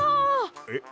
えっ？